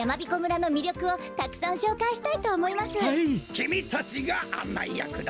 きみたちがあんないやくだ。